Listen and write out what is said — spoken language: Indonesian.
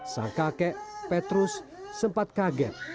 sang kakek petrus sempat kaget